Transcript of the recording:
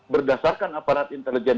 berdasarkan aparat intelijen